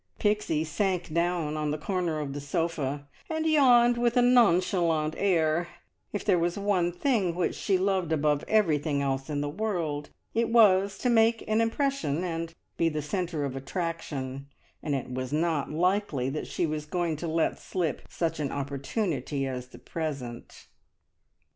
Pixie sank down on the corner of the sofa, and yawned with a nonchalant air. If there was one thing which she loved above everything else in the world, it was to make an impression and be the centre of attraction, and it was not likely that she was going to let slip such an opportunity as the present.